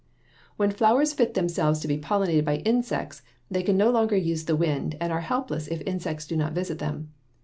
When flowers fit themselves to be pollinated by insects they can no longer use the wind and are helpless if insects do not visit them.